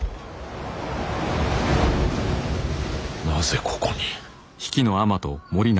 なぜここに。